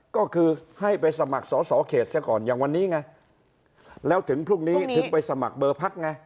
ก็คือให้ไปสมัครสอสอเขตเสียก่อนอย่างวันนี้ไงแล้วถึงพรุ่งนี้ถึงไปสมัครเบอร์พักไง